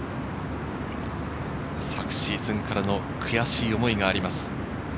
昨シーズンからの悔しい思いがあります。